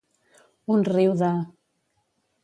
Un riu de.